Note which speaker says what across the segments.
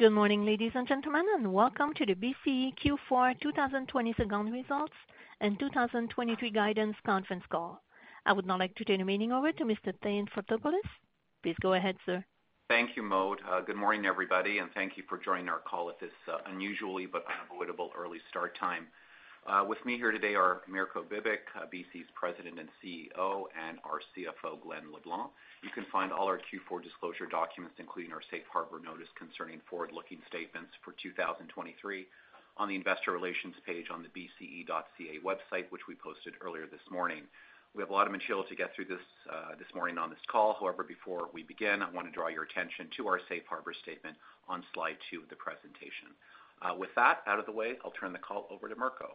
Speaker 1: Good morning, ladies and gentlemen, and welcome to the BCE Q4 2022 Second Results and 2023 Guidance Conference Call. I would now like to turn the meeting over to Mr. Thane Fotopoulos. Please go ahead, sir.
Speaker 2: Thank you, Mode. Good morning, everybody, thank you for joining our call at this unusually but unavoidable early start time. With me here today are Mirko Bibic, BCE's President and CEO, and our CFO, Glen LeBlanc. You can find all our Q4 disclosure documents, including our safe harbor notice concerning forward-looking statements for 2023 on the Investor Relations page on the BCE.ca website, which we posted earlier this morning. We have a lot of material to get through this this morning on this call. Before we begin, I wanna draw your attention to our safe harbor statement on slide 2 of the presentation. With that out of the way, I'll turn the call over to Mirko.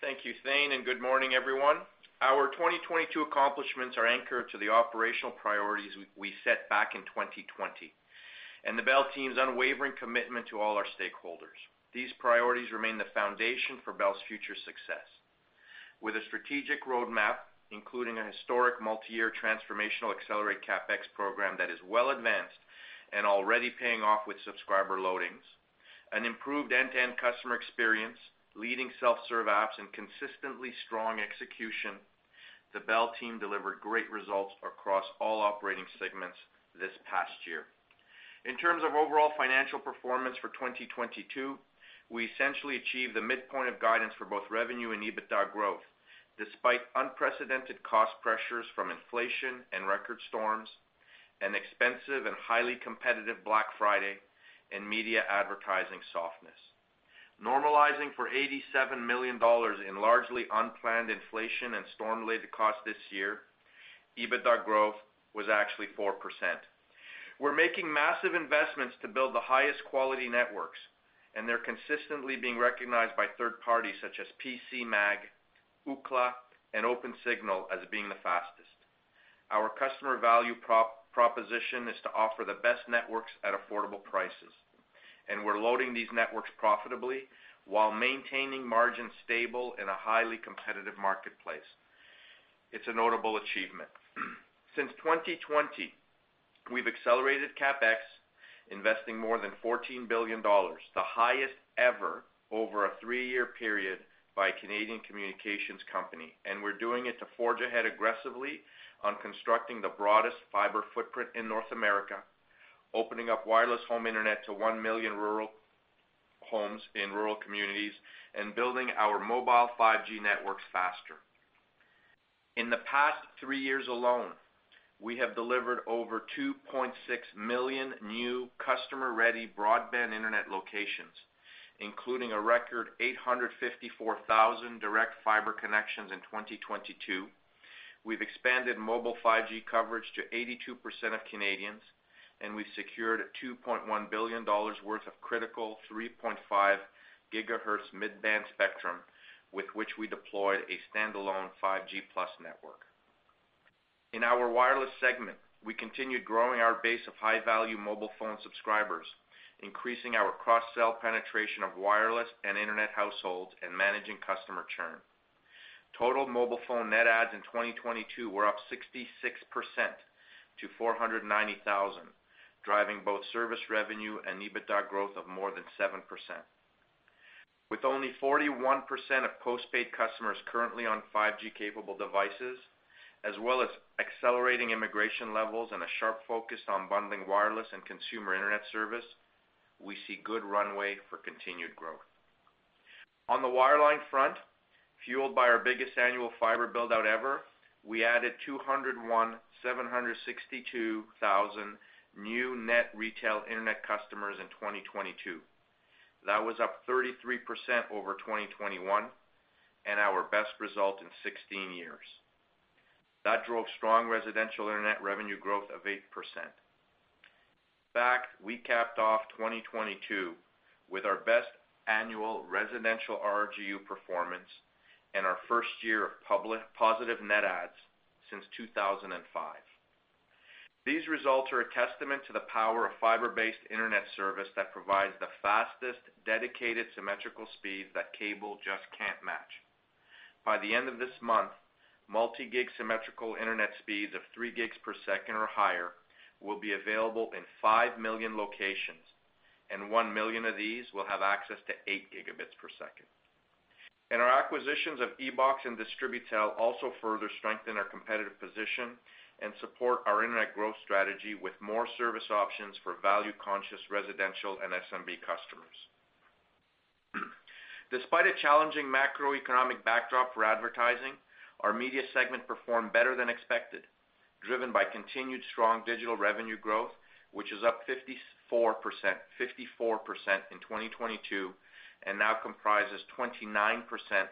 Speaker 3: Thank you, Thane. Good morning, everyone. Our 2022 accomplishments are anchored to the operational priorities we set back in 2020 and the Bell team's unwavering commitment to all our stakeholders. These priorities remain the foundation for Bell's future success. With a strategic roadmap, including a historic multi-year transformational Accelerated CapEx program that is well advanced and already paying off with subscriber loadings, an improved end-to-end customer experience, leading self-serve apps, and consistently strong execution, the Bell team delivered great results across all operating segments this past year. In terms of overall financial performance for 2022, we essentially achieved the midpoint of guidance for both revenue and EBITDA growth, despite unprecedented cost pressures from inflation and record storms, an expensive and highly competitive Black Friday, and media advertising softness. Normalizing for 87 million dollars in largely unplanned inflation and storm-related costs this year, EBITDA growth was actually 4%. We're making massive investments to build the highest quality networks. They're consistently being recognized by third parties such as PCMag, Ookla, and Opensignal as being the fastest. Our customer value proposition is to offer the best networks at affordable prices. We're loading these networks profitably while maintaining margins stable in a highly competitive marketplace. It's a notable achievement. Since 2020, we've accelerated CapEx, investing more than 14 billion dollars, the highest ever over a three-year period by a Canadian communications company. We're doing it to forge ahead aggressively on constructing the broadest fiber footprint in North America, opening up Wireless Home Internet to 1 million rural homes in rural communities, and building our mobile 5G networks faster. In the past three years alone, we have delivered over 2.6 million new customer-ready broadband internet locations, including a record 854,000 direct fiber connections in 2022. We've expanded mobile 5G coverage to 82% of Canadians, and we've secured 2.1 billion dollars worth of critical 3.5 GHz mid-band spectrum with which we deployed a standalone 5G+ network. In our wireless segment, we continued growing our base of high-value mobile phone subscribers, increasing our cross-sell penetration of wireless and internet households and managing customer churn. Total mobile phone net adds in 2022 were up 66% to 490,000, driving both service revenue and EBITDA growth of more than 7%. With only 41% of postpaid customers currently on 5G-capable devices, as well as accelerating immigration levels and a sharp focus on bundling wireless and consumer Internet service, we see good runway for continued growth. On the wireline front, fueled by our biggest annual fiber build-out ever, we added 201,762 new net retail Internet customers in 2022. That was up 33% over 2021 and our best result in 16 years. That drove strong residential Internet revenue growth of 8%. In fact, we capped off 2022 with our best annual residential RGU performance and our first year of positive net adds since 2005. These results are a testament to the power of fiber-based Internet service that provides the fastest dedicated symmetrical speeds that cable just can't match. By the end of this month, multi-gig symmetrical internet speeds of 3 gigs per second or higher will be available in 5 million locations, 1 million of these will have access to 8 Gb per second. Our acquisitions of EBOX and Distributel also further strengthen our competitive position and support our internet growth strategy with more service options for value-conscious residential and SMB customers. Despite a challenging macroeconomic backdrop for advertising, our Bell Media segment performed better than expected, driven by continued strong digital revenue growth, which is up 54% in 2022 and now comprises 29%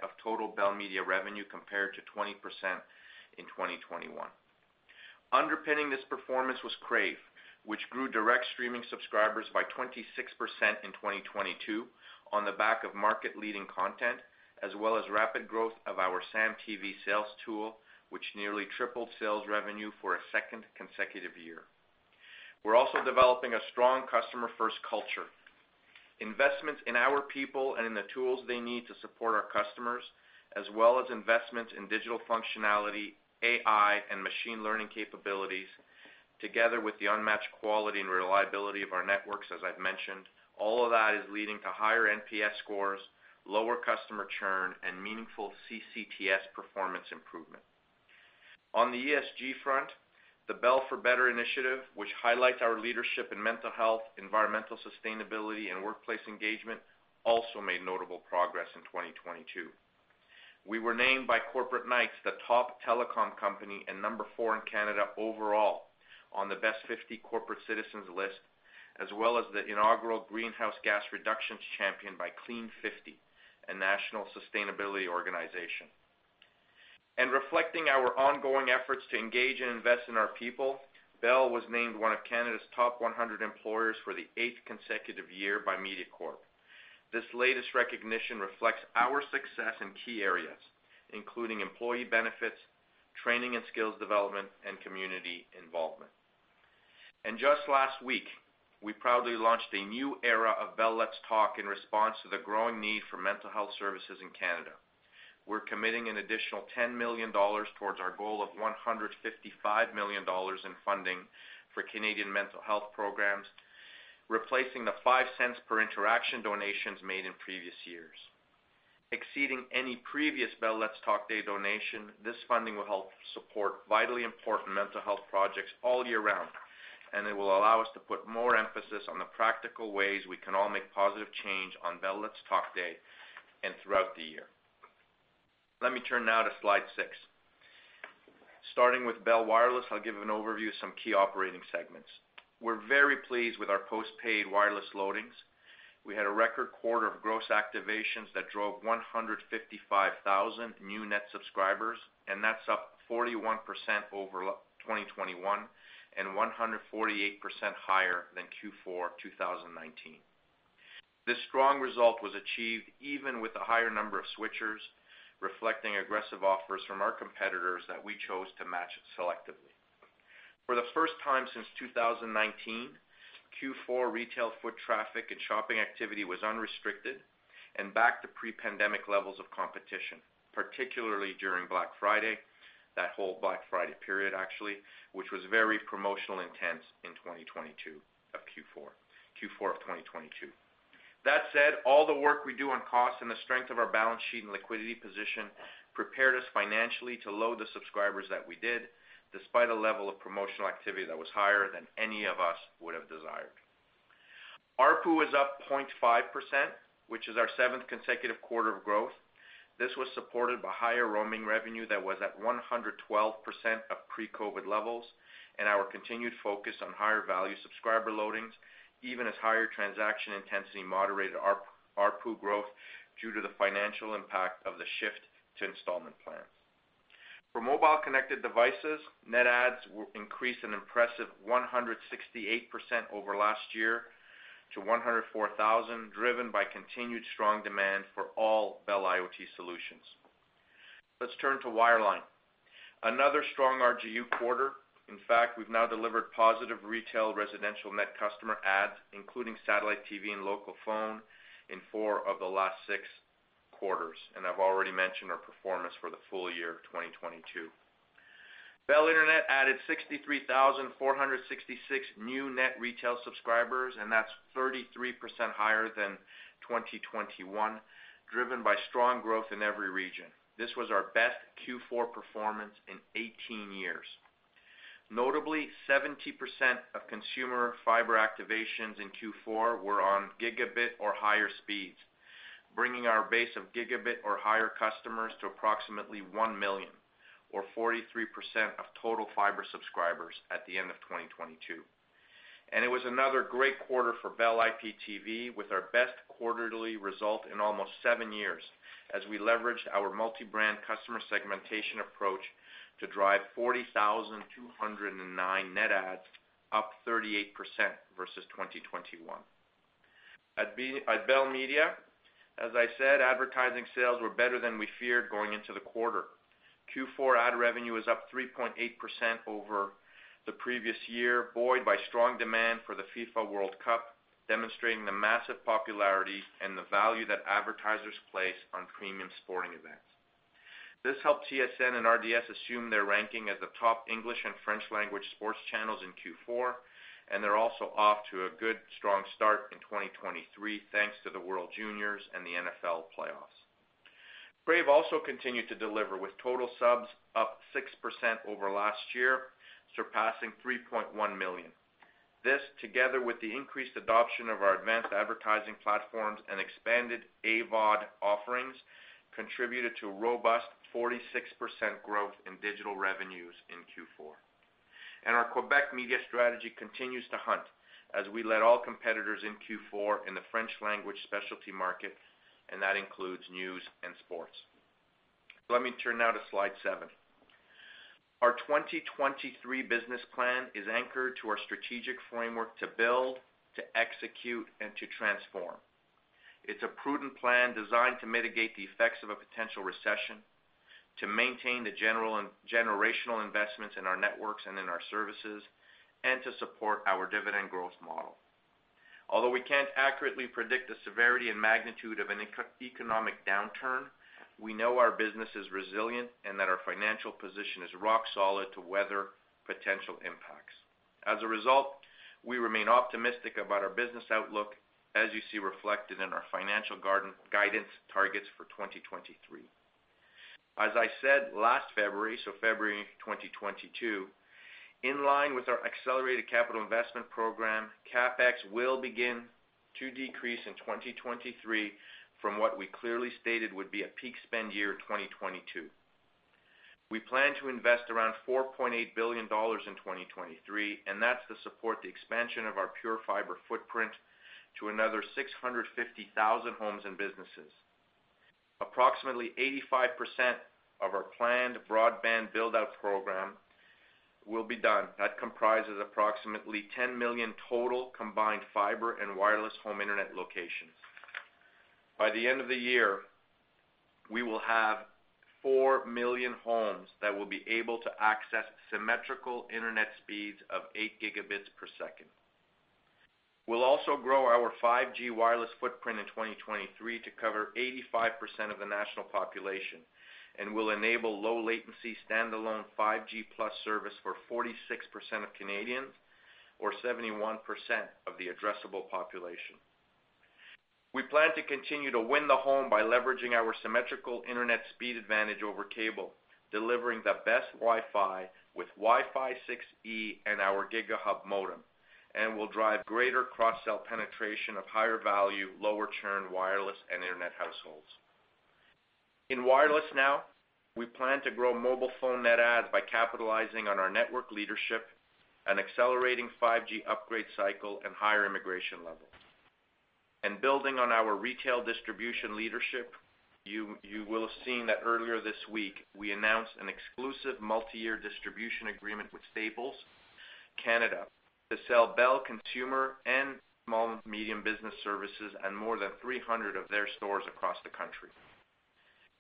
Speaker 3: of total Bell Media revenue compared to 20% in 2021. Underpinning this performance was Crave, which grew direct streaming subscribers by 26% in 2022 on the back of market-leading content as well as rapid growth of our SAM TV sales tool, which nearly tripled sales revenue for a second consecutive year. We're also developing a strong customer-first culture. Investments in our people and in the tools they need to support our customers, as well as investments in digital functionality, AI, and machine learning capabilities, together with the unmatched quality and reliability of our networks, as I've mentioned, all of that is leading to higher NPS scores, lower customer churn, and meaningful CCTS performance improvement. On the ESG front, the Bell for Better initiative, which highlights our leadership in mental health, environmental sustainability, and workplace engagement, also made notable progress in 2022. We were named by Corporate Knights the top telecom company and number four in Canada overall on the Best 50 Corporate Citizens list, as well as the inaugural Greenhouse Gas Reductions Champion by Clean50, a national sustainability organization. Reflecting our ongoing efforts to engage and invest in our people, Bell was named one of Canada's top 100 employers for the eighth consecutive year by Mediacorp. This latest recognition reflects our success in key areas, including employee benefits, training and skills development, and community involvement. Just last week, we proudly launched a new era of Bell Let's Talk in response to the growing need for mental health services in Canada. We're committing an additional 10 million dollars towards our goal of 155 million dollars in funding for Canadian mental health programs, replacing the 0.05 per interaction donations made in previous years. Exceeding any previous Bell Let's Talk Day donation, this funding will help support vitally important mental health projects all year round. It will allow us to put more emphasis on the practical ways we can all make positive change on Bell Let's Talk Day and throughout the year. Let me turn now to slide 6. Starting with Bell Wireless, I'll give an overview of some key operating segments. We're very pleased with our post-paid wireless loadings. We had a record quarter of gross activations that drove 155,000 new net subscribers. That's up 41% over 2021 and 148% higher than Q4 2019. This strong result was achieved even with a higher number of switchers, reflecting aggressive offers from our competitors that we chose to match selectively. For the first time since 2019, Q4 retail foot traffic and shopping activity was unrestricted and back to pre-pandemic levels of competition, particularly during Black Friday, that whole Black Friday period, actually, which was very promotional intense in 2022 of Q4 of 2022. That said, all the work we do on cost and the strength of our balance sheet and liquidity position prepared us financially to load the subscribers that we did, despite a level of promotional activity that was higher than any of us would have desired. ARPU is up 0.5%, which is our seventh consecutive quarter of growth. This was supported by higher roaming revenue that was at 112% of pre-COVID levels and our continued focus on higher-value subscriber loadings, even as higher transaction intensity moderated ARPU growth due to the financial impact of the shift to installment plans. For mobile-connected devices, net adds increased an impressive 168% over last year to 104,000, driven by continued strong demand for all Bell IoT solutions. Let's turn to wireline. Another strong RGU quarter. In fact, we've now delivered positive retail residential net customer adds, including satellite TV and local phone, in four of the last six quarters, and I've already mentioned our performance for the full year of 2022. Bell Internet added 63,466 new net retail subscribers, and that's 33% higher than 2021, driven by strong growth in every region. This was our best Q4 performance in 18 years. Notably, 70% of consumer fiber activations in Q4 were on gigabit or higher speeds, bringing our base of gigabit or higher customers to approximately 1 million, or 43% of total fiber subscribers at the end of 2022. It was another great quarter for Bell IPTV, with our best quarterly result in almost seven years as we leveraged our multi-brand customer segmentation approach to drive 40,209 net adds, up 38% versus 2021. At Bell Media, as I said, advertising sales were better than we feared going into the quarter. Q4 ad revenue was up 3.8% over the previous year, buoyed by strong demand for the FIFA World Cup, demonstrating the massive popularity and the value that advertisers place on premium sporting events. This helped TSN and RDS assume their ranking as the top English and French language sports channels in Q4, and they're also off to a good, strong start in 2023 thanks to the World Juniors and the NFL playoffs. Crave also continued to deliver with total subs up 6% over last year, surpassing 3.1 million. This, together with the increased adoption of our advanced advertising platforms and expanded AVOD offerings, contributed to a robust 46% growth in digital revenues in Q4. Our Québec media strategy continues to hunt as we led all competitors in Q4 in the French language specialty market, and that includes news and sports. Let me turn now to slide 7. Our 2023 business plan is anchored to our strategic framework to build, to execute, and to transform. It's a prudent plan designed to mitigate the effects of a potential recession, to maintain the generational investments in our networks and in our services, and to support our dividend growth model. Although we can't accurately predict the severity and magnitude of an economic downturn, we know our business is resilient and that our financial position is rock solid to weather potential impacts. As a result, we remain optimistic about our business outlook as you see reflected in our financial guidance targets for 2023. As I said last February 2022, in line with our accelerated capital investment program, CapEx will begin to decrease in 2023 from what we clearly stated would be a peak spend year, 2022. We plan to invest around 4.8 billion dollars in 2023, that's to support the expansion of our pure fiber footprint to another 650,000 homes and businesses. Approximately 85% of our planned broadband build-out program will be done. That comprises approximately 10 million total combined fiber and Wireless Home Internet locations. By the end of the year, we will have 4 million homes that will be able to access symmetrical internet speeds of 8 Gb per second. We'll also grow our 5G wireless footprint in 2023 to cover 85% of the national population and will enable low latency, stand-alone 5G+ service for 46% of Canadians or 71% of the addressable population. We plan to continue to win the home by leveraging our symmetrical internet speed advantage over cable, delivering the best Wi-Fi with Wi-Fi 6E and our Giga Hub modem, and will drive greater cross-sell penetration of higher value, lower churn wireless and internet households. In wireless now, we plan to grow mobile phone net adds by capitalizing on our network leadership and accelerating 5G upgrade cycle and higher immigration levels. Building on our retail distribution leadership, you will have seen that earlier this week, we announced an exclusive multi-year distribution agreement with Staples Canada to sell Bell consumer and small and medium business services in more than 300 of their stores across the country.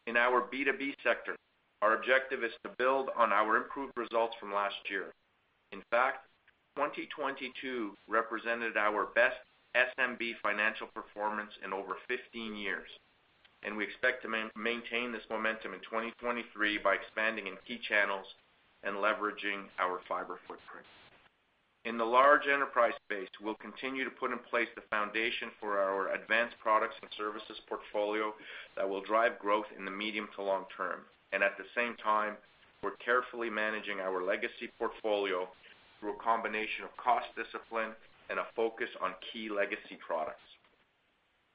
Speaker 3: In our B2B sector, our objective is to build on our improved results from last year. In fact, 2022 represented our best SMB financial performance in over 15 years, we expect to maintain this momentum in 2023 by expanding in key channels and leveraging our fiber footprint. In the large enterprise space, we'll continue to put in place the foundation for our advanced products and services portfolio that will drive growth in the medium to long term. At the same time, we're carefully managing our legacy portfolio through a combination of cost discipline and a focus on key legacy products.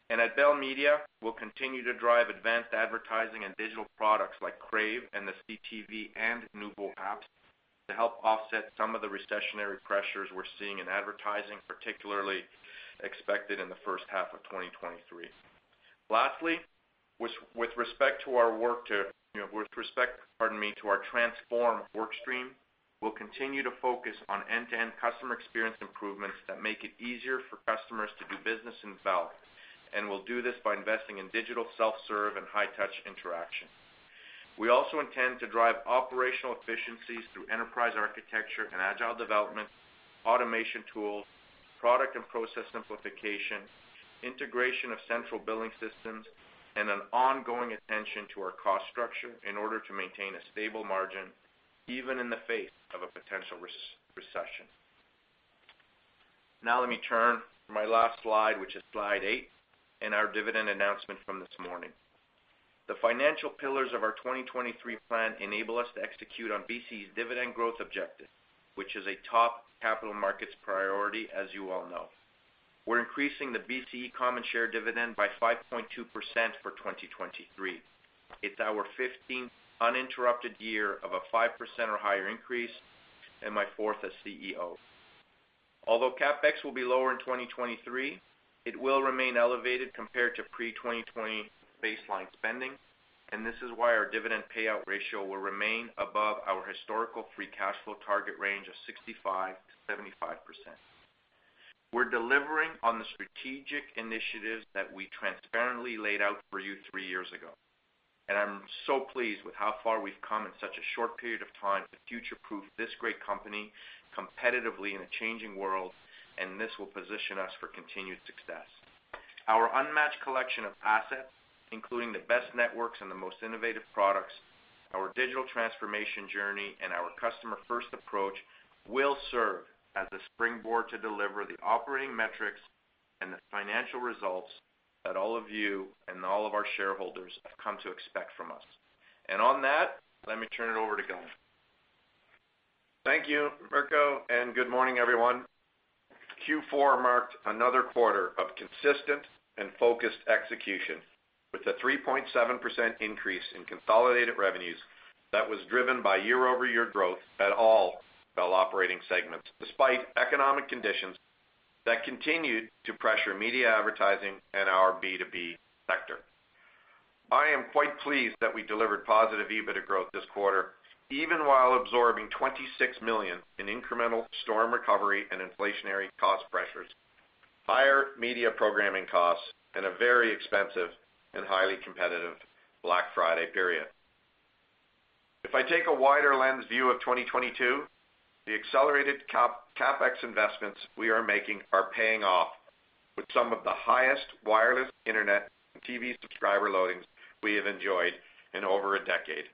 Speaker 3: At Bell Media, we'll continue to drive advanced advertising and digital products like Crave and the CTV and Noovo apps to help offset some of the recessionary pressures we're seeing in advertising, particularly expected in the first half of 2023. Lastly, with respect to our work to, you know, with respect, pardon me, to our transform work stream, we'll continue to focus on end-to-end customer experience improvements that make it easier for customers to do business in Bell, and we'll do this by investing in digital self-serve and high-touch interaction. We also intend to drive operational efficiencies through enterprise architecture and agile development, automation tools, product and process simplification, integration of central billing systems, and an ongoing attention to our cost structure in order to maintain a stable margin, even in the face of a potential recession. Let me turn to my last slide, which is slide 8, and our dividend announcement from this morning. The financial pillars of our 2023 plan enable us to execute on BCE's dividend growth objective, which is a top capital markets priority, as you all know. We're increasing the BCE common share dividend by 5.2% for 2023. It's our fifteenth uninterrupted year of a 5% or higher increase, and my fourth as CEO. Although CapEx will be lower in 2023, it will remain elevated compared to pre-2020 baseline spending. This is why our dividend payout ratio will remain above our historical free cash flow target range of 65%-75%. We're delivering on the strategic initiatives that we transparently laid out for you three years ago. I'm so pleased with how far we've come in such a short period of time to future-proof this great company competitively in a changing world. This will position us for continued success. Our unmatched collection of assets, including the best networks and the most innovative products, our digital transformation journey, and our customer-first approach, will serve as a springboard to deliver the operating metrics and the financial results that all of you and all of our shareholders have come to expect from us. On that, let me turn it over to Glen.
Speaker 4: Thank you, Mirko, good morning, everyone. Q4 marked another quarter of consistent and focused execution with a 3.7% increase in consolidated revenues that was driven by year-over-year growth at all Bell operating segments, despite economic conditions that continued to pressure media advertising and our B2B sector. I am quite pleased that we delivered positive EBITDA growth this quarter, even while absorbing 26 million in incremental storm recovery and inflationary cost pressures, higher media programming costs, and a very expensive and highly competitive Black Friday period. I take a wider lens view of 2022, the accelerated CapEx investments we are making are paying off with some of the highest wireless internet and TV subscriber loadings we have enjoyed in over a decade.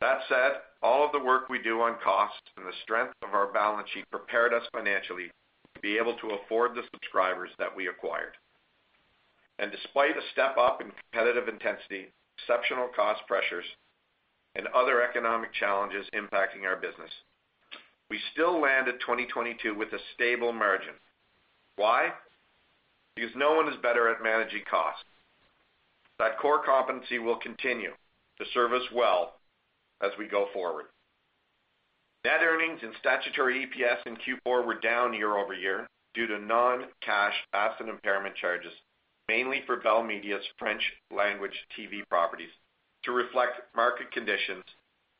Speaker 4: That said, all of the work we do on cost and the strength of our balance sheet prepared us financially to be able to afford the subscribers that we acquired. Despite a step-up in competitive intensity, exceptional cost pressures, and other economic challenges impacting our business, we still landed 2022 with a stable margin. Why? No one is better at managing costs. That core competency will continue to serve us well as we go forward. Net earnings and statutory EPS in Q4 were down year-over-year due to non-cash asset impairment charges, mainly for Bell Media's French language TV properties to reflect market conditions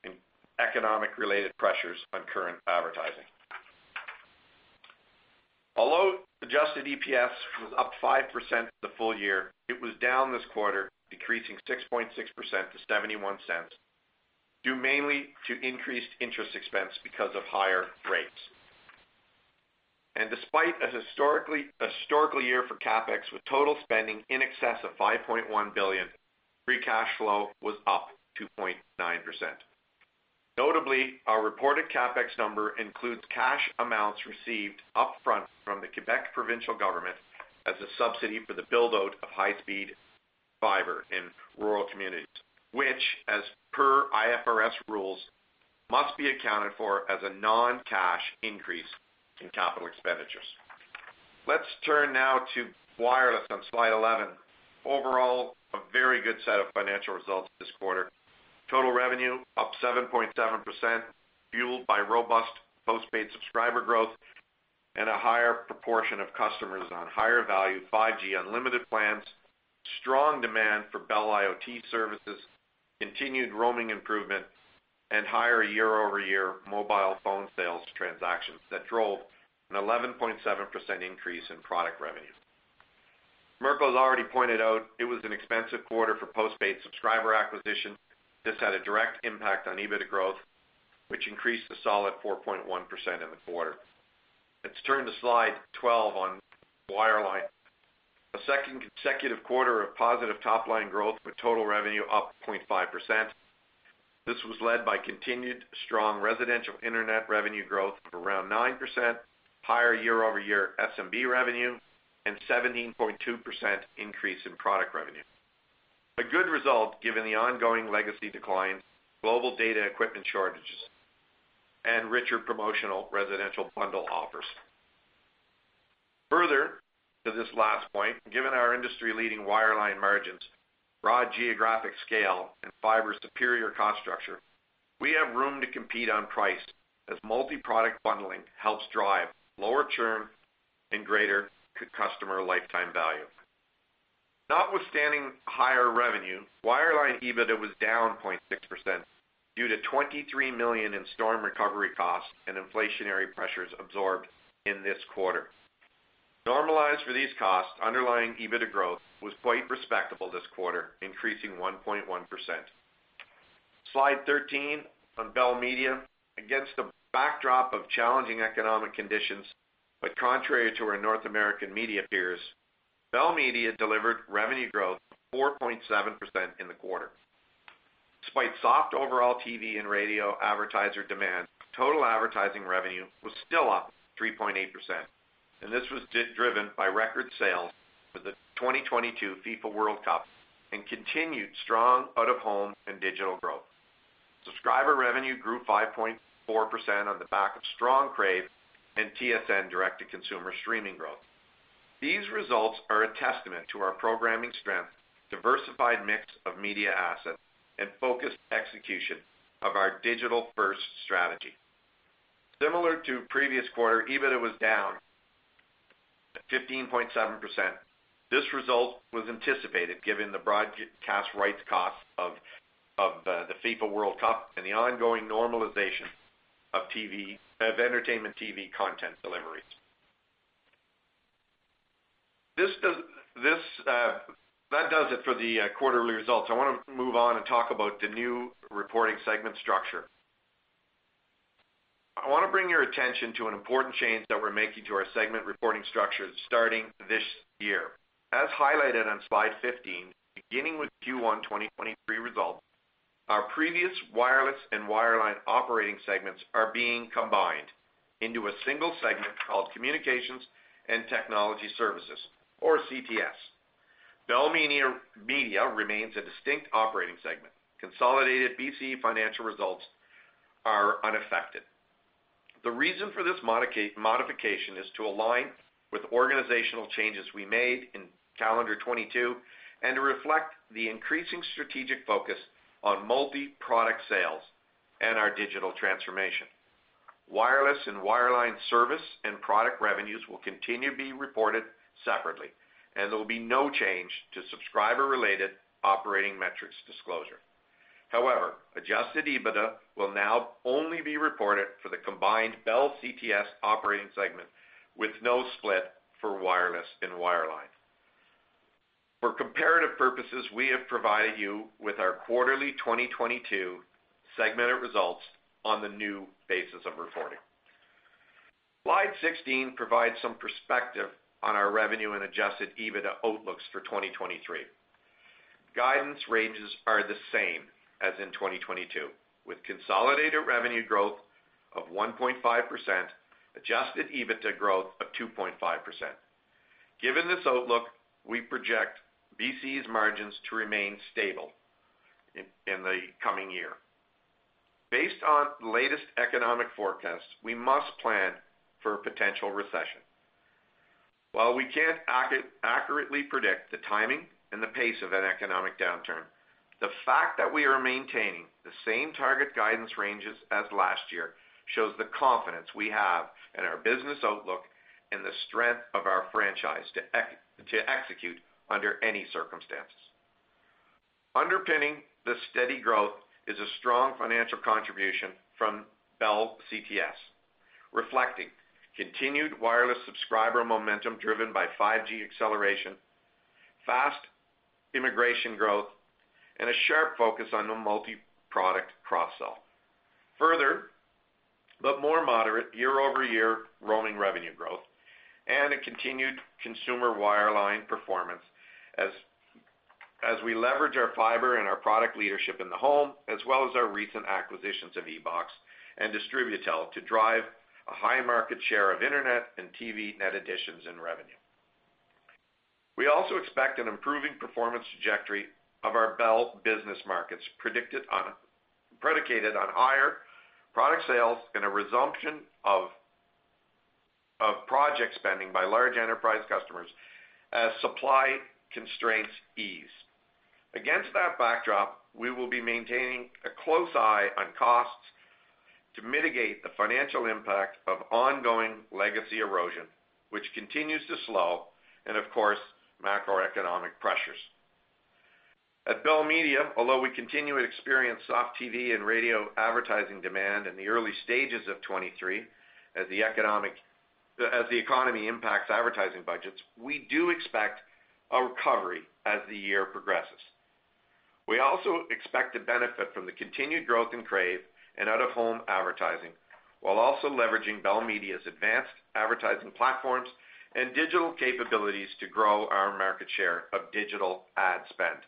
Speaker 4: and economic-related pressures on current advertising. Although adjusted EPS was up 5% the full year, it was down this quarter, decreasing 6.6% to 0.71, due mainly to increased interest expense because of higher rates. Despite a historically year for CapEx, with total spending in excess of 5.1 billion, free cash flow was up 2.9%. Notably, our reported CapEx number includes cash amounts received upfront from the Québec provincial government as a subsidy for the build-out of high-speed fiber in rural communities, which, as per IFRS rules, must be accounted for as a non-cash increase in capital expenditures. Let's turn now to wireless on slide 11. Overall, a very good set of financial results this quarter. Total revenue up 7.7%, fueled by robust postpaid subscriber growth and a higher proportion of customers on higher value 5G unlimited plans, strong demand for Bell IoT services, continued roaming improvements, and higher year-over-year mobile phone sales transactions that drove an 11.7% increase in product revenues. Mirko has already pointed out it was an expensive quarter for postpaid subscriber acquisition. This had a direct impact on EBITDA growth, which increased a solid 4.1% in the quarter. Let's turn to slide 12 on wireline. A second consecutive quarter of positive top-line growth, with total revenue up 0.5%. This was led by continued strong residential internet revenue growth of around 9%, higher year-over-year SMB revenue, and 17.2% increase in product revenue. A good result given the ongoing legacy declines, global data equipment shortages, and richer promotional residential bundle offers. Further to this last point, given our industry-leading wireline margins, broad geographic scale, and fiber's superior cost structure, we have room to compete on price as multi-product bundling helps drive lower churn and greater customer lifetime value. Notwithstanding higher revenue, wireline EBITDA was down 0.6% due to 23 million in storm recovery costs and inflationary pressures absorbed in this quarter. Normalized for these costs, underlying EBITDA growth was quite respectable this quarter, increasing 1.1%. Slide 13 on Bell Media. Against a backdrop of challenging economic conditions, contrary to our North American media peers, Bell Media delivered revenue growth of 4.7% in the quarter. Despite soft overall TV and radio advertiser demand, total advertising revenue was still up 3.8%, this was driven by record sales for the 2022 FIFA World Cup and continued strong out-of-home and digital growth. Subscriber revenue grew 5.4% on the back of strong Crave and TSN direct-to-consumer streaming growth. These results are a testament to our programming strength, diversified mix of media assets, and focused execution of our digital-first strategy. Similar to previous quarter, EBITDA was down 15.7%. This result was anticipated given the broadcast rights cost of the FIFA World Cup and the ongoing normalization of entertainment TV content deliveries. That does it for the quarterly results. I wanna move on and talk about the new reporting segment structure. I wanna bring your attention to an important change that we're making to our segment reporting structures starting this year. As highlighted on slide 15, beginning with Q1 2023 results, our previous wireless and wireline operating segments are being combined into a single segment called Communications and Technology Services or CTS. Bell Media remains a distinct operating segment. Consolidated BCE financial results are unaffected. The reason for this modification is to align with organizational changes we made in calendar 2022 and to reflect the increasing strategic focus on multi-product sales and our digital transformation. Wireless and wireline service and product revenues will continue to be reported separately, and there will be no change to subscriber-related operating metrics disclosure. However, Adjusted EBITDA will now only be reported for the combined Bell CTS operating segment, with no split for wireless and wireline. For comparative purposes, we have provided you with our quarterly 2022 segmented results on the new basis of reporting. Slide 16 provides some perspective on our revenue and Adjusted EBITDA outlooks for 2023. Guidance ranges are the same as in 2022, with consolidated revenue growth of 1.5%, Adjusted EBITDA growth of 2.5%. Given this outlook, we project BCE's margins to remain stable in the coming year. Based on latest economic forecasts, we must plan for potential recession. While we can't accurately predict the timing and the pace of an economic downturn, the fact that we are maintaining the same target guidance ranges as last year shows the confidence we have in our business outlook and the strength of our franchise to execute under any circumstances. Underpinning this steady growth is a strong financial contribution from Bell CTS, reflecting continued wireless subscriber momentum driven by 5G acceleration, fast immigration growth, and a sharp focus on the multiproduct cross-sell. Further, but more moderate, year-over-year roaming revenue growth and a continued consumer wireline performance as we leverage our Fibe and our product leadership in the home, as well as our recent acquisitions of EBOX and Distributel to drive a high market share of internet and TV net additions and revenue. We also expect an improving performance trajectory of our Bell Business Markets predicated on higher product sales and a resumption of project spending by large enterprise customers as supply constraints ease. Against that backdrop, we will be maintaining a close eye on costs to mitigate the financial impact of ongoing legacy erosion, which continues to slow and of course, macroeconomic pressures. At Bell Media, although we continue to experience soft TV and radio advertising demand in the early stages of 2023 as the economy impacts advertising budgets, we do expect a recovery as the year progresses. We also expect to benefit from the continued growth in Crave and out-of-home advertising, while also leveraging Bell Media's advanced advertising platforms and digital capabilities to grow our market share of digital ad spend.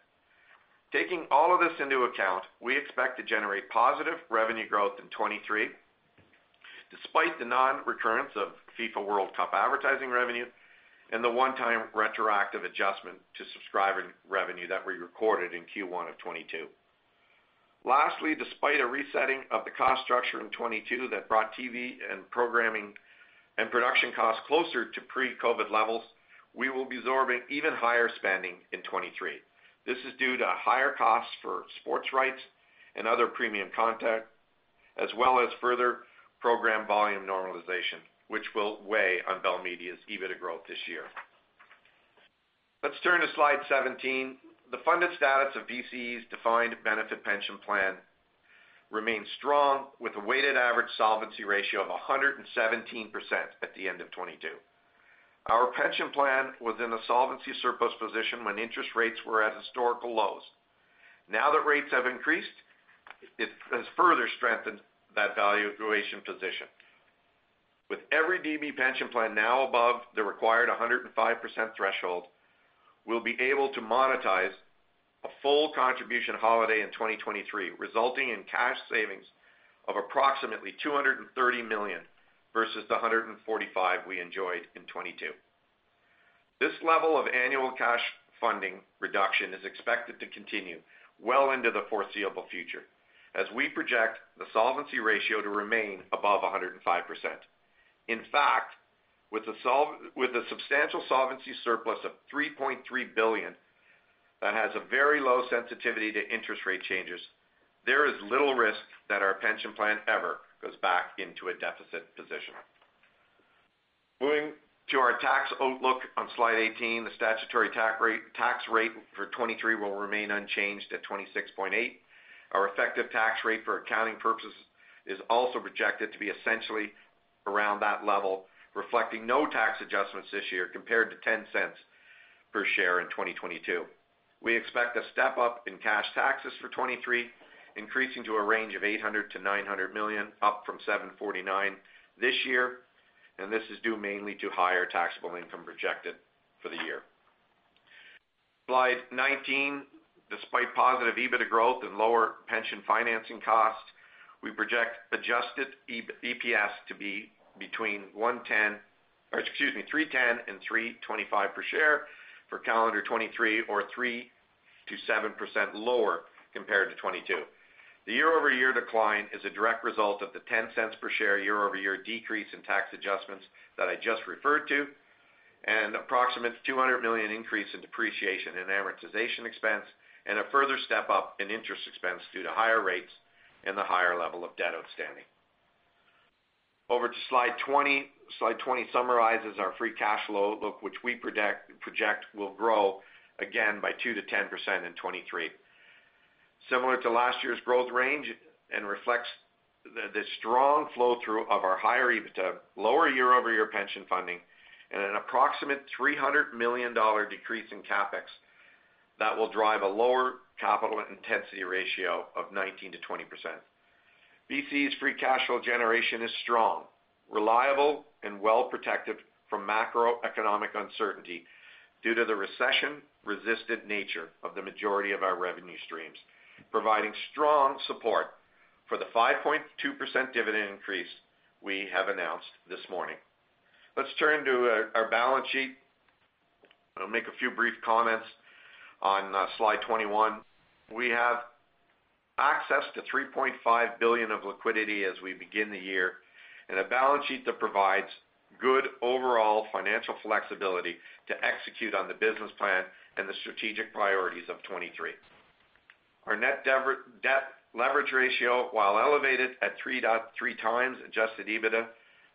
Speaker 4: Taking all of this into account, we expect to generate positive revenue growth in 2023 despite the non-recurrence of FIFA World Cup advertising revenue and the one-time retroactive adjustment to subscriber revenue that we recorded in Q1 of 2022. Despite a resetting of the cost structure in 2022 that brought TV and programming and production costs closer to pre-COVID levels, we will be absorbing even higher spending in 2023. This is due to higher costs for sports rights and other premium content, as well as further program volume normalization, which will weigh on Bell Media's EBITDA growth this year. Let's turn to slide 17. The funded status of BCE's defined benefit pension plan remains strong with a weighted average solvency ratio of 117% at the end of 2022. Our pension plan was in a solvency surplus position when interest rates were at historical lows. Now that rates have increased, it has further strengthened that valuation position. With every DB pension plan now above the required 105% threshold, we'll be able to monetize a full contribution holiday in 2023, resulting in cash savings of approximately 230 million versus the 145 million we enjoyed in 2022. This level of annual cash funding reduction is expected to continue well into the foreseeable future as we project the solvency ratio to remain above 105%. In fact, with the substantial solvency surplus of $3.3 billion that has a very low sensitivity to interest rate changes, there is little risk that our pension plan ever goes back into a deficit position. Moving to our tax outlook on slide 18, the statutory tax rate for 2023 will remain unchanged at 26.8%. Our effective tax rate for accounting purposes is also projected to be essentially around that level, reflecting no tax adjustments this year compared to $0.10 per share in 2022. We expect a step-up in cash taxes for 2023, increasing to a range of $800 million-$900 million, up from $749 million this year. This is due mainly to higher taxable income projected for the year. Slide 19. Despite positive EBITDA growth and lower pension financing costs, we project adjusted EPS to be between $3.10 and $3.25 per share for calendar 2023 or 3%-7% lower compared to 2022. The year-over-year decline is a direct result of the $0.10 per share year-over-year decrease in tax adjustments that I just referred to. An approximate $200 million increase in depreciation and amortization expense and a further step up in interest expense due to higher rates and the higher level of debt outstanding. Over to slide 20. Slide 20 summarizes our free cash flow look, which we project will grow again by 2%-10% in 2023. Similar to last year's growth range and reflects the strong flow through of our higher EBITDA, lower year-over-year pension funding, and an approximate 300 million dollar decrease in CapEx that will drive a lower capital intensity ratio of 19%-20%. BCE's free cash flow generation is strong, reliable, and well protected from macroeconomic uncertainty due to the recession-resistant nature of the majority of our revenue streams, providing strong support for the 5.2% dividend increase we have announced this morning. Let's turn to our balance sheet. I'll make a few brief comments on slide 21. We have access to 3.5 billion of liquidity as we begin the year, and a balance sheet that provides good overall financial flexibility to execute on the business plan and the strategic priorities of 2023. Our net debt leverage ratio, while elevated at 3x Adjusted EBITDA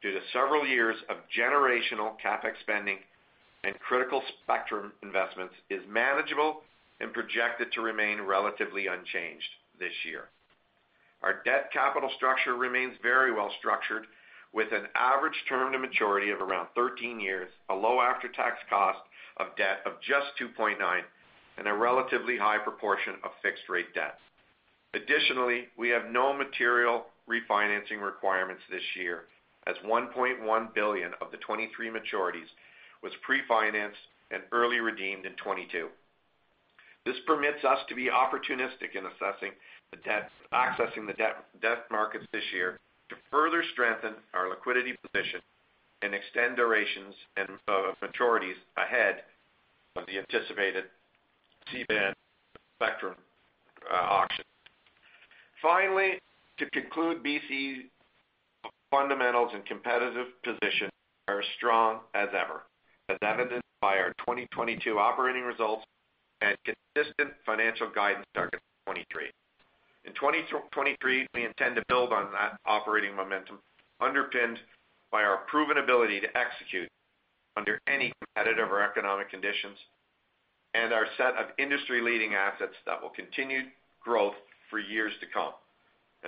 Speaker 4: due to several years of generational CapEx spending and critical spectrum investments, is manageable and projected to remain relatively unchanged this year. Our debt capital structure remains very well structured, with an average term to maturity of around 13 years, a low after-tax cost of debt of just 2.9%, and a relatively high proportion of fixed rate debts. We have no material refinancing requirements this year, as $1.1 billion of the 2023 maturities was pre-financed and early redeemed in 2022. This permits us to be opportunistic in accessing the debt markets this year to further strengthen our liquidity position and extend durations and maturities ahead of the anticipated C-band spectrum auction. Finally, to conclude, BCE fundamentals and competitive position are as strong as ever, as evidenced by our 2022 operating results and consistent financial guidance targets for 2023. In 2023, we intend to build on that operating momentum underpinned by our proven ability to execute under any competitive or economic conditions and our set of industry-leading assets that will continue growth for years to come.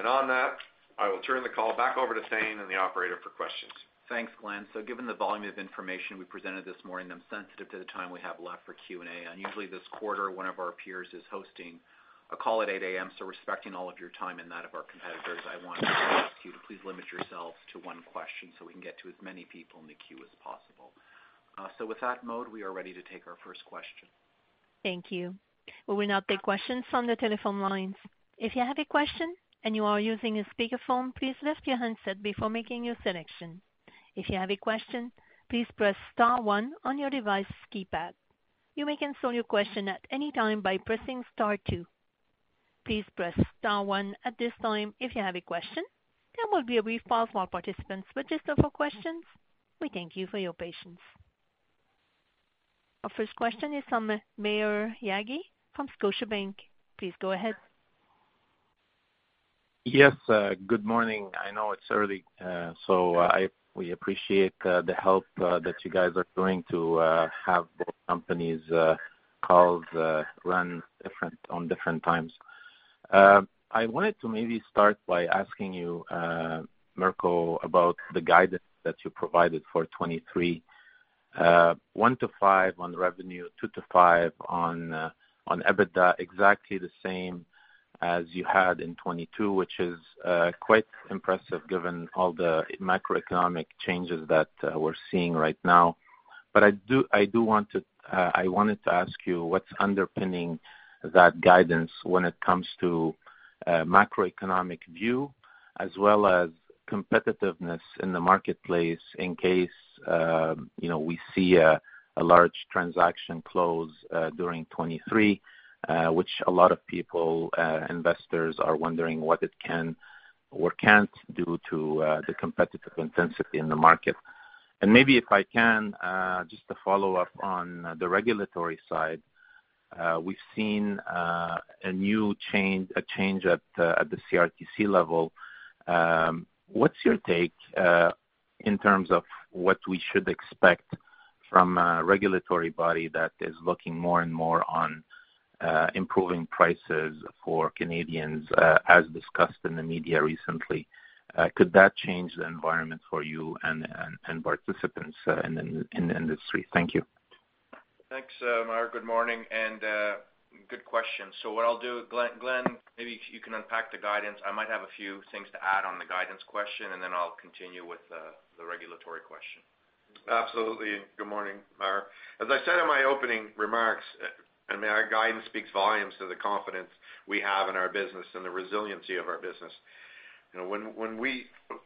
Speaker 4: On that, I will turn the call back over to Thane and the Operator for questions.
Speaker 2: Thanks, Glen. Given the volume of information we presented this morning, I'm sensitive to the time we have left for Q&A. Unusually this quarter, one of our peers is hosting a call at 8:00 A.M., respecting all of your time and that of our competitors, I want you to please limit yourselves to one question so we can get to as many people in the queue as possible. With that Mode, we are ready to take our first question.
Speaker 1: Thank you. We will now take questions from the telephone lines. If you have a question and you are using a speakerphone, please lift your handset before making your selection. If you have a question, please press star one on your device's keypad. You may cancel your question at any time by pressing star two. Please press star one at this time if you have a question. There will be a brief pause while participants register for questions. We thank you for your patience. Our first question is from Maher Yaghi from Scotiabank. Please go ahead.
Speaker 5: Yes, good morning. I know it's early, so we appreciate the help that you guys are doing to have both companies' calls run on different times. I wanted to maybe start by asking you, Mirko, about the guidance that you provided for 2023. 1%-5% on revenue, 2%-5% on EBITDA, exactly the same as you had in 2022, which is quite impressive given all the macroeconomic changes that we're seeing right now. I wanted to ask you what's underpinning that guidance when it comes to macroeconomic view as well as competitiveness in the marketplace in case, you know, we see a large transaction close during 2023, which a lot of people, investors are wondering what it can or can't do to the competitive intensity in the market. Maybe if I can just to follow up on the regulatory side. We've seen a new change at the CRTC level. What's your take in terms of what we should expect from a regulatory body that is looking more and more on improving prices for Canadians, as discussed in the media recently? Could that change the environment for you and participants in the industry? Thank you.
Speaker 2: Thanks, Maher. Good morning and good question. What I'll do, Glen, maybe you can unpack the guidance. I might have a few things to add on the guidance question, and then I'll continue with the regulatory question.
Speaker 4: Absolutely. Good morning, Maher. As I said in my opening remarks, I mean, our guidance speaks volumes to the confidence we have in our business and the resiliency of our business. You know, when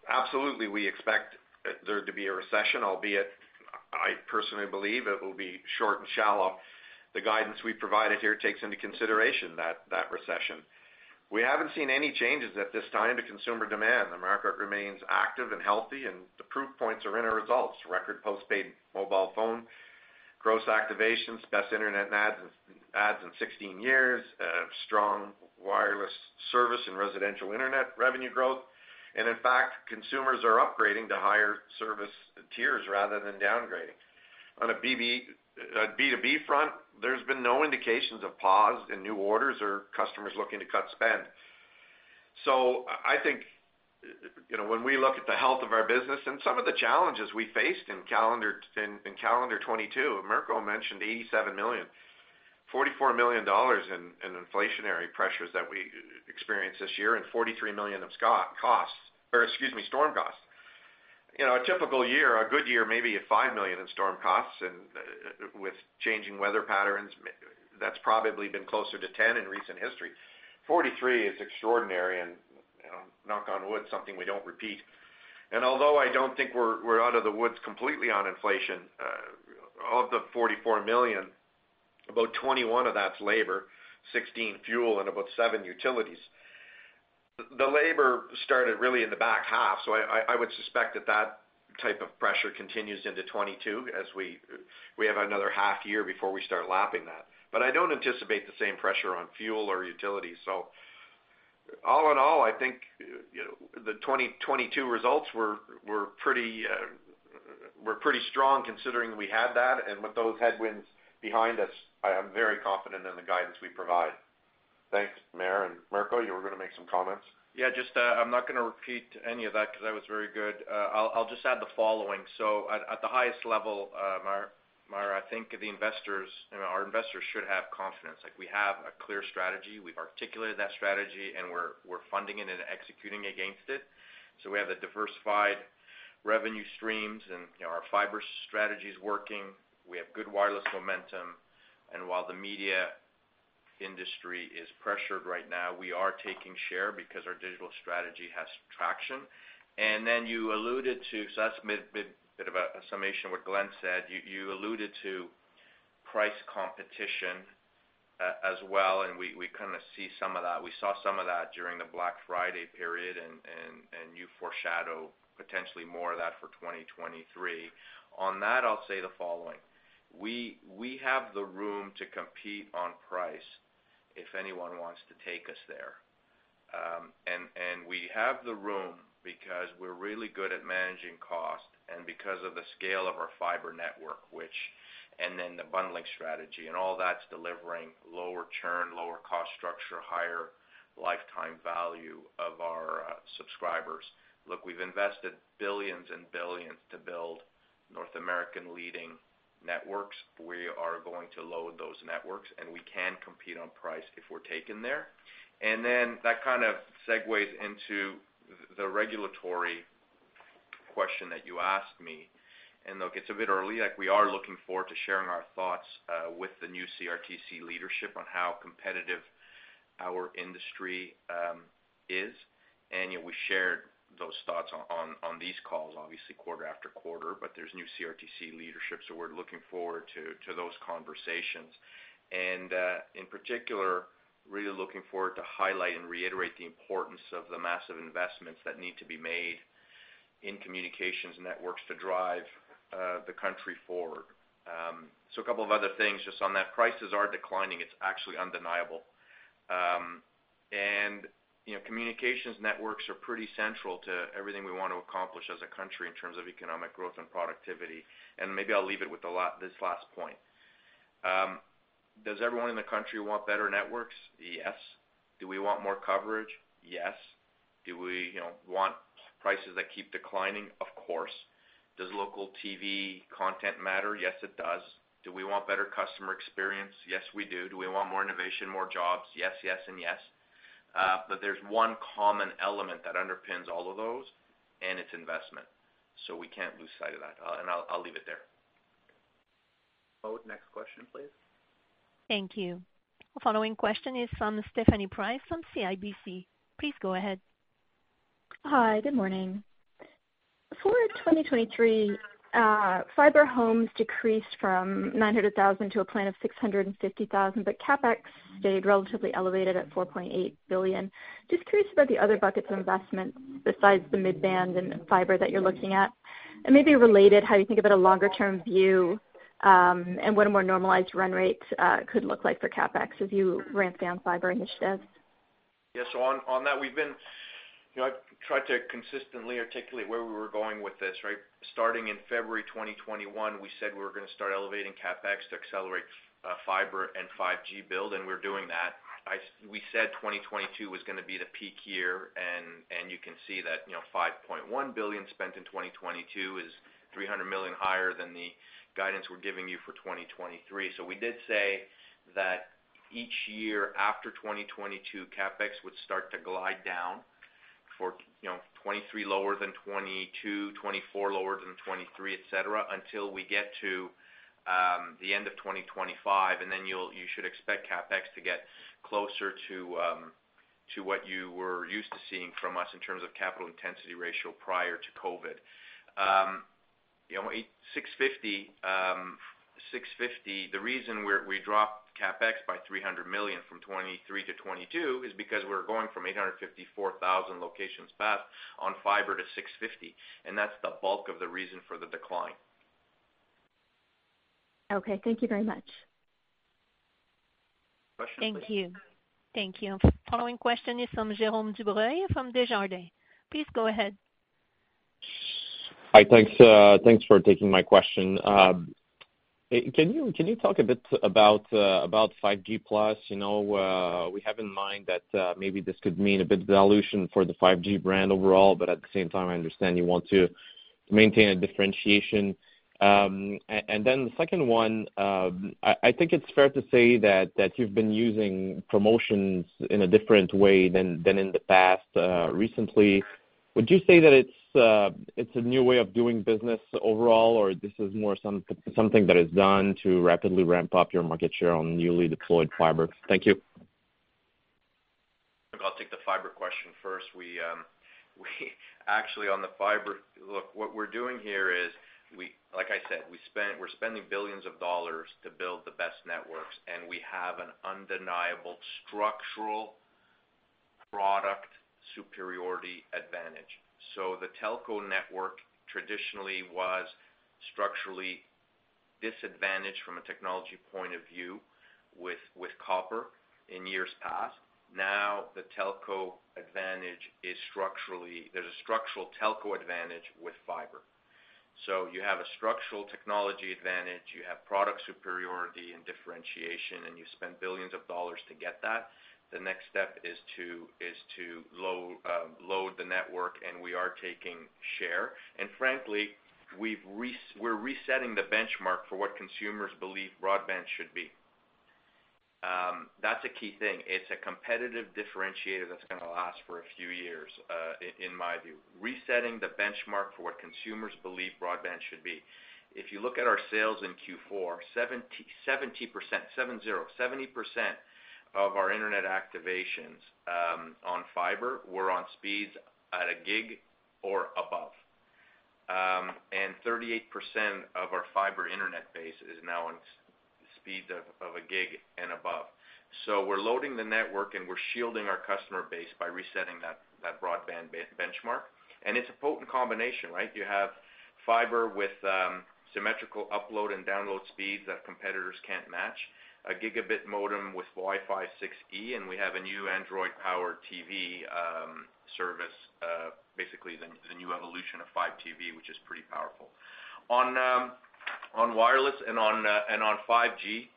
Speaker 4: absolutely we expect there to be a recession, albeit I personally believe it will be short and shallow. The guidance we've provided here takes into consideration that recession. We haven't seen any changes at this time to consumer demand. The market remains active and healthy, the proof points are in our results. Record postpaid mobile phone, gross activations, best internet ads in 16 years, strong wireless service and residential internet revenue growth. In fact, consumers are upgrading to higher service tiers rather than downgrading. On a B2B front, there's been no indications of pause in new orders or customers looking to cut spend. I think, you know, when we look at the health of our business and some of the challenges we faced in calendar in 2022, Mirko mentioned 87 million, 44 million dollars in inflationary pressures that we experienced this year and 43 million storm costs. You know, a typical year, a good year, maybe 5 million in storm costs. With changing weather patterns, that's probably been closer to 10 million in recent history. 43 million is extraordinary and, you know, knock on wood, something we don't repeat. Although I don't think we're out of the woods completely on inflation, of the 44 million, about 21 million of that's labor, 16 million fuel, and about 7 million utilities. The labor started really in the back half, so I would suspect that that type of pressure continues into 2022 as we have another half year before we start lapping that. I don't anticipate the same pressure on fuel or utilities. All in all, I think, you know, the 2022 results were pretty strong considering we had that. With those headwinds behind us, I am very confident in the guidance we provide. Thanks, Maher. Mirko, you were going to make some comments.
Speaker 3: Yeah, just, I'm not going to repeat any of that because that was very good. I'll just add the following. At the highest level, Maher, I think the investors, you know, our investors should have confidence. Like, we have a clear strategy. We've articulated that strategy, and we're funding it and executing against it. We have the diversified revenue streams, and, you know, our Fibe strategy is working. We have good wireless momentum. While the media industry is pressured right now, we are taking share because our digital strategy has traction. You alluded to. That's mid, bit of a summation of what Glen said. You alluded to price competition as well, and we kind of see some of that. We saw some of that during the Black Friday period. You foreshadow potentially more of that for 2023. On that, I'll say the following: We have the room to compete on price if anyone wants to take us there. We have the room because we're really good at managing cost and because of the scale of our fiber network, which and then the bundling strategy, and all that's delivering lower churn, lower cost structure, higher lifetime value of our subscribers. Look, we've invested billions and billions to build North American leading networks. We are going to load those networks, and we can compete on price if we're taken there. Then that kind of segues into the regulatory question that you asked me. Look, it's a bit early. Like, we are looking forward to sharing our thoughts with the new CRTC leadership on how competitive our industry is. You know, we shared those thoughts on these calls, obviously, quarter after quarter. There's new CRTC leadership, so we're looking forward to those conversations. In particular, really looking forward to highlight and reiterate the importance of the massive investments that need to be made in communications networks to drive the country forward. A couple of other things just on that. Prices are declining. It's actually undeniable. You know, communications networks are pretty central to everything we want to accomplish as a country in terms of economic growth and productivity. Maybe I'll leave it with this last point. Does everyone in the country want better networks? Yes. Do we want more coverage? Yes. Do we, you know, want prices that keep declining? Of course. Does local TV content matter? Yes, it does. Do we want better customer experience? Yes, we do. Do we want more innovation, more jobs? Yes, yes, and yes. There's one common element that underpins all of those, and it's investment. We can't lose sight of that. I'll leave it there.
Speaker 2: Next question, please.
Speaker 1: Thank you. The following question is from Stephanie Price from CIBC. Please go ahead.
Speaker 6: Hi, good morning. For 2023, Fibe homes decreased from 900,000 to a plan of 650,000, but CapEx stayed relatively elevated at 4.8 billion. Just curious about the other buckets of investment besides the mid-band and Fibe that you're looking at. Maybe related, how do you think about a longer-term view, and what a more normalized run rate could look like for CapEx as you ramp down Fibe initiatives?
Speaker 3: On that, we've been, you know, I've tried to consistently articulate where we were going with this, right? Starting in February 2021, we said we were going to start elevating CapEx to accelerate fiber and 5G build, and we're doing that. We said 2022 was going to be the peak year, and you can see that, you know, 5.1 billion spent in 2022 is 300 million higher than the guidance we're giving you for 2023. We did say that each year after 2022, CapEx would start to glide down for, you know, 2023 lower than 2022, 2024 lower than 2023, et cetera, until we get to the end of 2025. You should expect CapEx to get closer to what you were used to seeing from us in terms of capital intensity ratio prior to COVID. You know, 650,000, the reason we dropped CapEx by 300 million from 2023 to 2022 is because we dropped from 854,000 locations passed on fiber to 650,000. That's the bulk of the reason for the decline.
Speaker 6: Okay, thank you very much.
Speaker 1: Thank you. Thank you. Following question is from Jérôme Dubreuil from Desjardins. Please go ahead.
Speaker 7: Hi. Thanks, thanks for taking my question. Hey, can you talk a bit about 5G+? You know, we have in mind that maybe this could mean a bit of dilution for the 5G brand overall, but at the same time, I understand you want to maintain a differentiation. The second one, I think it's fair to say that you've been using promotions in a different way than in the past recently. Would you say that it's a new way of doing business overall, or this is more something that is done to rapidly ramp up your market share on newly deployed fiber? Thank you.
Speaker 3: Look, I'll take the fiber question first. We actually on the fiber. Look, what we're doing here is like I said, we're spending billions of dollars to build the best networks, and we have an undeniable structural product superiority advantage. The Telco network traditionally was structurally disadvantaged from a technology point of view with copper in years past. Now, the telco advantage is structurally, there's a structural telco advantage with fiber. You have a structural technology advantage, you have product superiority and differentiation, and you spend billions of dollars to get that. The next step is to load the network, and we are taking share. Frankly, we're resetting the benchmark for what consumers believe broadband should be. That's a key thing. It's a competitive differentiator that's gonna last for a few years, in my view, resetting the benchmark for what consumers believe broadband should be. If you look at our sales in Q4, 70% of our internet activations on fiber were on speeds at a gig or above. And 38% of our fiber internet base is now on speeds of a gig and above. We're loading the network, and we're shielding our customer base by resetting that broadband benchmark. It's a potent combination, right? You have fiber with symmetrical upload and download speeds that competitors can't match, a gigabit modem with Wi-Fi 6E, and we have a new Android-powered TV service, basically the new evolution of 5G, which is pretty powerful. On wireless and on 5G.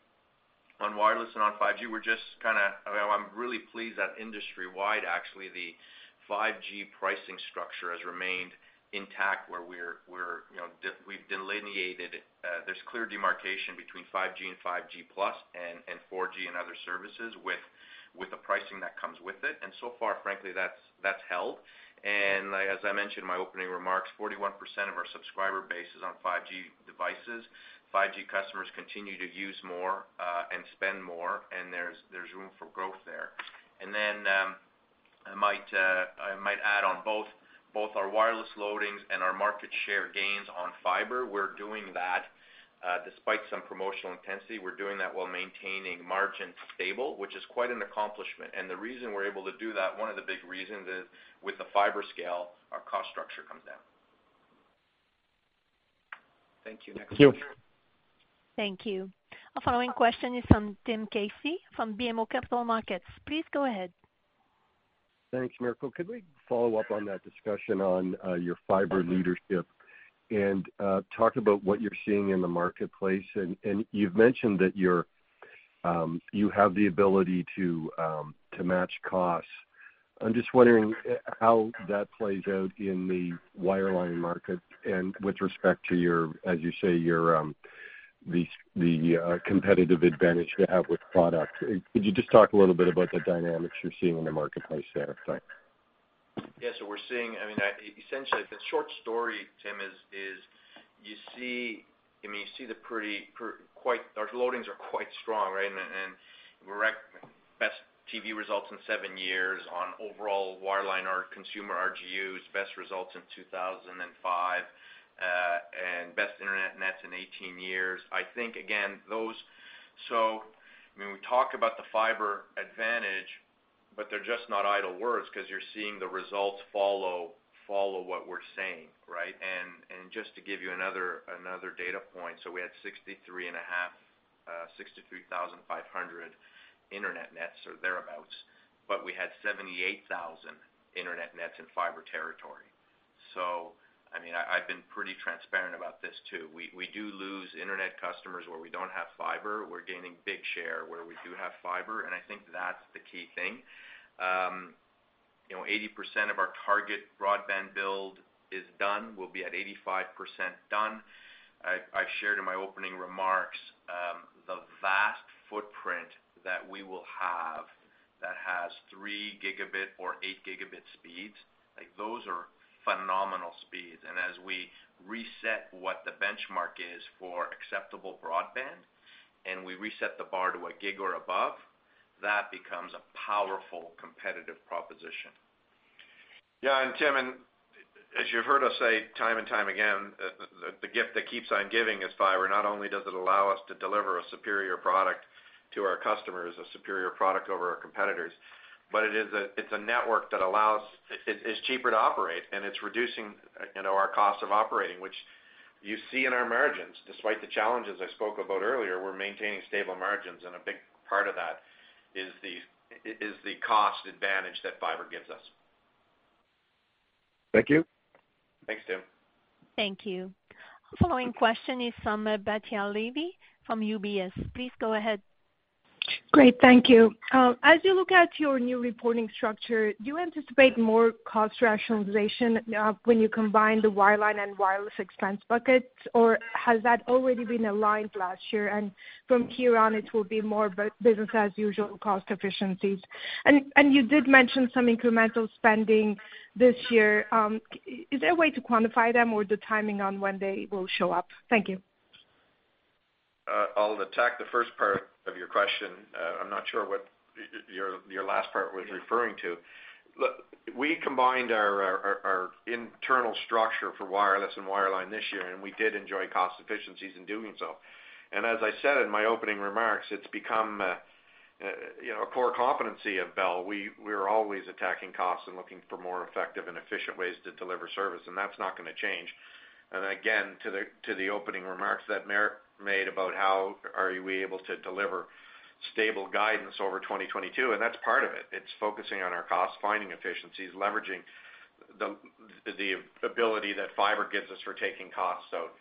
Speaker 3: On wireless and on 5G, Well, I'm really pleased that industry-wide actually, the 5G pricing structure has remained intact, where we're, you know, we've delineated, there's clear demarcation between 5G and 5G+ and 4G and other services with the pricing that comes with it. So far frankly, that's held. As I mentioned in my opening remarks, 41% of our subscriber base is on 5G devices. 5G customers continue to use more and spend more, and there's room for growth there. I might add on both our wireless loadings and our market share gains on fiber, we're doing that despite some promotional intensity. We're doing that while maintaining margin stable, which is quite an accomplishment. The reason we're able to do that, one of the big reasons is with the Fibe scale, our cost structure comes down. Thank you. Next question.
Speaker 1: Thank you. Our following question is from Tim Casey from BMO Capital Markets. Please go ahead.
Speaker 8: Thanks, Mirko. Could we follow up on that discussion on your Fibe leadership and talk about what you're seeing in the marketplace? You've mentioned that you're, you have the ability to match costs. I'm just wondering how that plays out in the wireline market and with respect to your, as you say, your, the competitive advantage you have with product. Could you just talk a little bit about the dynamics you're seeing in the marketplace there? Thanks.
Speaker 3: Yeah. I mean, essentially, the short story, Tim, is, you see. I mean, you see our loadings are quite strong, right? And we're at best TV results in seven years on overall wireline, our consumer RGUs, best results in 2005, and best internet nets in 18 years. I think again, those. I mean, we talk about the fiber advantage, but they're just not idle words 'cause you're seeing the results follow what we're saying, right? And just to give you another data point. We had 63,500 internet nets or thereabouts, but we had 78,000 internet nets in fiber territory. I mean, I've been pretty transparent about this, too. We do lose internet customers where we don't have fiber. We're gaining big share where we do have Fibe, I think that's the key thing. You know, 80% of our target broadband build is done. We'll be at 85% done. I shared in my opening remarks, the vast footprint that we will have that has 3 Gb or 8 Gb speeds. Like, those are phenomenal speeds. As we reset what the benchmark is for acceptable broadband, and we reset the bar to 1 gig or above, that becomes a powerful competitive proposition.
Speaker 4: Tim, as you've heard us say time and time again, the gift that keeps on giving is fiber. Not only does it allow us to deliver a superior product to our customers, a superior product over our competitors, but it's a network that allows, it is cheaper to operate, and it's reducing, you know, our cost of operating, which you see in our margins. Despite the challenges I spoke about earlier, we're maintaining stable margins, a big part of that is the cost advantage that fiber gives us.
Speaker 8: Thank you.
Speaker 3: Thanks, Tim.
Speaker 1: Thank you. Following question is from Batya Levi from UBS. Please go ahead.
Speaker 9: Great. Thank you. As you look at your new reporting structure, do you anticipate more cost rationalization, when you combine the wireline and wireless expense buckets, or has that already been aligned last year, and from here on, it will be more business as usual cost efficiencies? You did mention some incremental spending this year. Is there a way to quantify them or the timing on when they will show up? Thank you.
Speaker 4: I'll attack the first part of your question. I'm not sure what your last part was referring to. Look, we combined our internal structure for wireless and wireline this year. We did enjoy cost efficiencies in doing so. As I said in my opening remarks, it's become, you know, a core competency of Bell. We're always attacking costs and looking for more effective and efficient ways to deliver service, and that's not gonna change. Again, to the opening remarks that Mirko made about how are we able to deliver stable guidance over 2022, and that's part of it. It's focusing on our costs, finding efficiencies, leveraging the ability that fiber gives us for taking costs out.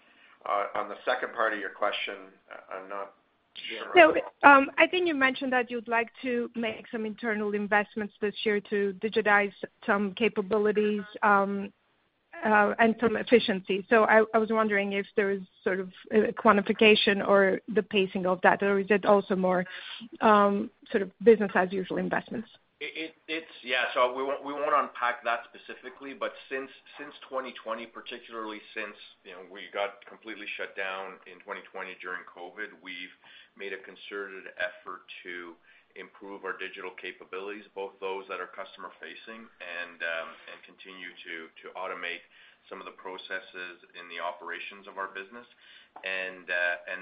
Speaker 4: On the second part of your question, I'm not sure at all.
Speaker 9: I think you mentioned that you'd like to make some internal investments this year to digitize some capabilities, and some efficiency. I was wondering if there is sort of a quantification or the pacing of that, or is it also more, sort of business as usual investments?
Speaker 4: It's. Yeah. We won't unpack that specifically. Since 2020, particularly since, you know, we got completely shut down in 2020 during COVID, we've made a concerted effort to improve our digital capabilities, both those that are customer-facing and continue to automate some of the processes in the operations of our business.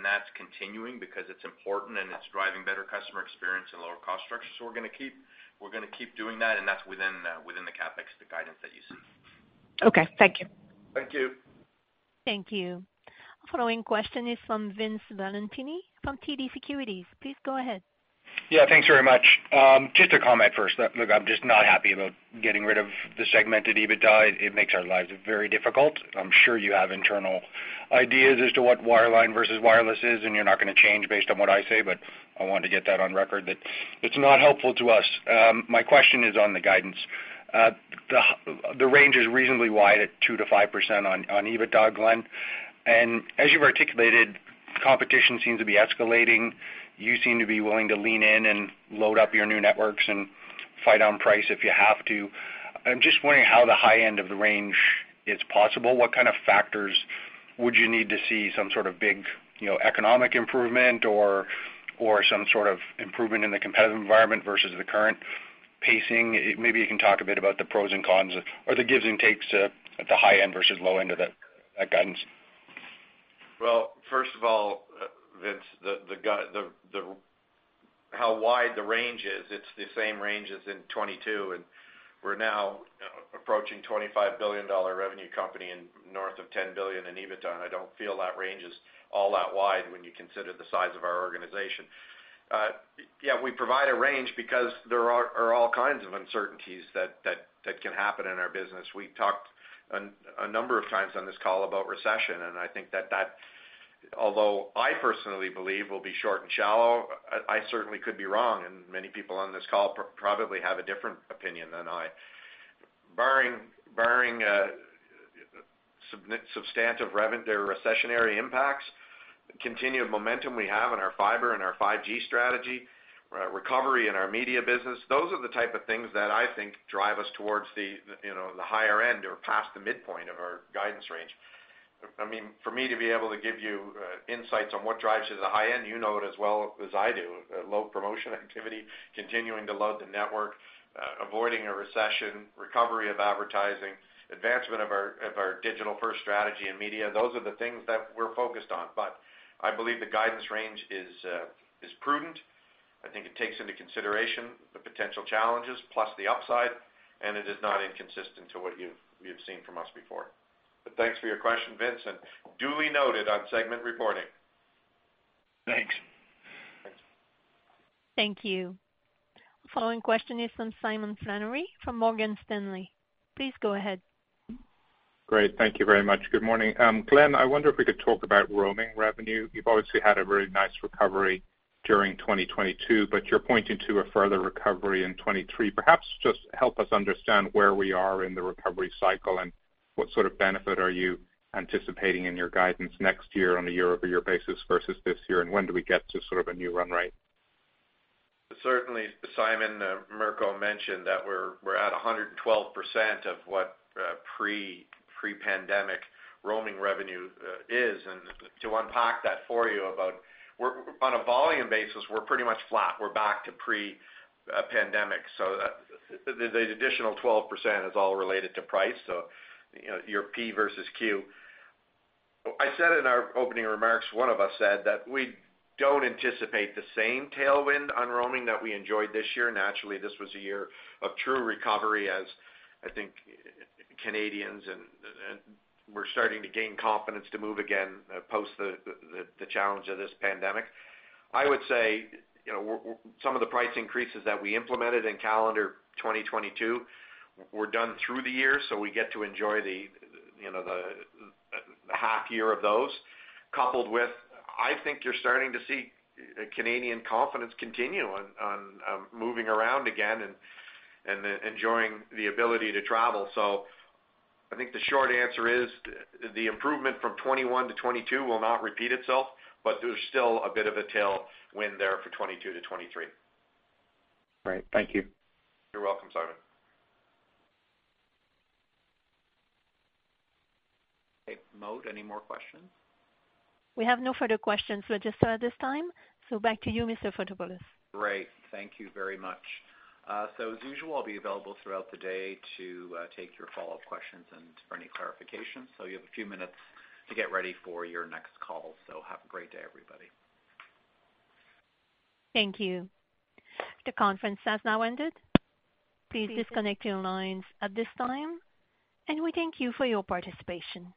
Speaker 4: That's continuing because it's important and it's driving better customer experience and lower cost structure. We're gonna keep doing that, and that's within the CapEx, the guidance that you see.
Speaker 9: Okay. Thank you.
Speaker 4: Thank you.
Speaker 1: Thank you. Following question is from Vince Valentini from TD Securities. Please go ahead.
Speaker 10: Thanks very much. Just a comment first. Look, I'm just not happy about getting rid of the segmented EBITDA. It makes our lives very difficult. I'm sure you have internal ideas as to what wireline versus wireless is, and you're not gonna change based on what I say, but I want to get that on record that it's not helpful to us. My question is on the guidance. The range is reasonably wide at 2%-5% on EBITDA, Glen. As you've articulated, competition seems to be escalating. You seem to be willing to lean in and load up your new networks and fight on price if you have to. I'm just wondering how the high end of the range is possible. What kind of factors would you need to see some sort of big, you know, economic improvement or some sort of improvement in the competitive environment versus the current pacing? Maybe you can talk a bit about the pros and cons or the gives and takes at the high end versus low end of that guidance.
Speaker 4: Well, first of all, Vince, how wide the range is, it's the same range as in 2022. We're now approaching a 25 billion dollar revenue company and north of 10 billion in EBITDA. I don't feel that range is all that wide when you consider the size of our organization. Yeah, we provide a range because there are all kinds of uncertainties that can happen in our business. We talked a number of times on this call about recession. I think that, although I personally believe will be short and shallow, I certainly could be wrong, and many people on this call probably have a different opinion than I. Barring substantive recessionary impacts, continued momentum we have in our Fibe and our 5G strategy, recovery in our Bell Media business, those are the type of things that I think drive us towards the, you know, the higher end or past the midpoint of our guidance range. I mean, for me to be able to give you insights on what drives to the high end, you know it as well as I do. Low promotion activity, continuing to load the network, avoiding a recession, recovery of advertising, advancement of our digital-first strategy in Bell Media. Those are the things that we're focused on. I believe the guidance range is prudent. I think it takes into consideration the potential challenges plus the upside, and it is not inconsistent to what you've seen from us before. Thanks for your question, Vince. Duly noted on segment reporting.
Speaker 10: Thanks.
Speaker 1: Thank you. Following question is from Simon Flannery from Morgan Stanley. Please go ahead.
Speaker 11: Great. Thank you very much. Good morning. Glen, I wonder if we could talk about roaming revenue. You've obviously had a very nice recovery during 2022, but you're pointing to a further recovery in 2023. Perhaps just help us understand where we are in the recovery cycle and what sort of benefit are you anticipating in your guidance next year on a year-over-year basis versus this year, and when do we get to sort of a new run rate?
Speaker 4: Certainly, Simon, Mirko mentioned that we're at 112% of what pre-pandemic roaming revenue is. To unpack that for you about on a volume basis, we're pretty much flat. We're back to pre-pandemic. The additional 12% is all related to price, so, you know, your P versus Q. I said in our opening remarks, one of us said that we don't anticipate the same tailwind on roaming that we enjoyed this year. Naturally, this was a year of true recovery as I think Canadians and we're starting to gain confidence to move again post the challenge of this pandemic. I would say, you know, some of the price increases that we implemented in calendar 2022 were done through the year, we get to enjoy you know, the half year of those, coupled with, I think you're starting to see Canadian confidence continue on moving around again and enjoying the ability to travel. I think the short answer is the improvement from 2021 to 2022 will not repeat itself, but there's still a bit of a tailwind there for 2022 to 2023.
Speaker 11: All right. Thank you.
Speaker 2: You're welcome, Simon. Okay. Mode, any more questions?
Speaker 1: We have no further questions registered at this time. Back to you, Mr. Fotopoulos.
Speaker 2: Great. Thank you very much. As usual, I'll be available throughout the day to take your follow-up questions and for any clarification. You have a few minutes to get ready for your next call. Have a great day, everybody.
Speaker 1: Thank you. The conference has now ended. Please disconnect your lines at this time, and we thank you for your participation.